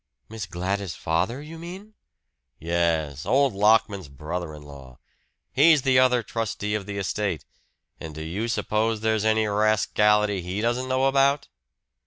"Miss Gladys' father, you mean?" "Yes; old Lockman's brother in law. He's the other trustee of the estate. And do you suppose there's any rascality he doesn't know about?"